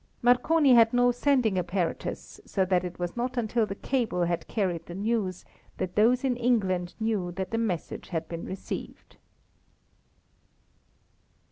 Marconi had no sending apparatus, so that it was not until the cable had carried the news that those in England knew that the message had been received.